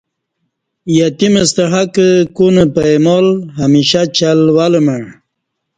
یتیم ستہ حق کونہ پائمال ہمیشہ چل ول مع